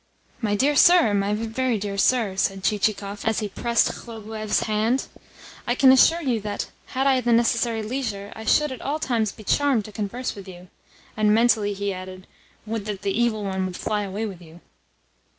"My dear sir, my very dear sir," said Chichikov as he pressed Khlobuev's hand, "I can assure you that, had I the necessary leisure, I should at all times be charmed to converse with you." And mentally he added: "Would that the Evil One would fly away with you!"